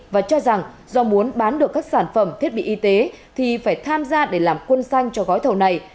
và cho rằng do muốn bán được các sản phẩm thiết bị y tế thì phải tham gia để làm quân xanh cho gói thầu này